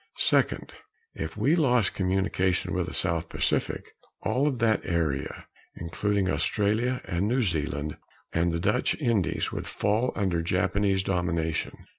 Second, if we lost communication with the southwest Pacific, all of that area, including Australia and New Zealand and the Dutch Indies, would fall under Japanese domination.